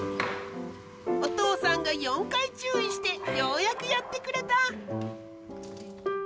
お父さんが４回注意してようやくやってくれた。